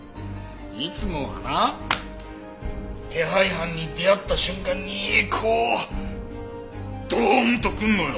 いつもはな手配犯に出会った瞬間にこうドーンとくるのよ。